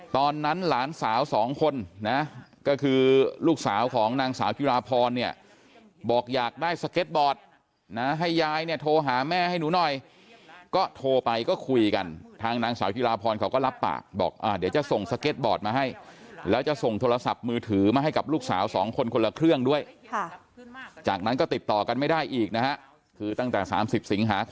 หลานสาวสองคนนะก็คือลูกสาวของนางสาวจิราพรเนี่ยบอกอยากได้สเก็ตบอร์ดนะให้ยายเนี่ยโทรหาแม่ให้หนูหน่อยก็โทรไปก็คุยกันทางนางสาวจิราพรเขาก็รับปากบอกเดี๋ยวจะส่งสเก็ตบอร์ดมาให้แล้วจะส่งโทรศัพท์มือถือมาให้กับลูกสาวสองคนคนละเครื่องด้วยจากนั้นก็ติดต่อกันไม่ได้อีกนะฮะคือตั้งแต่๓๐สิงหาค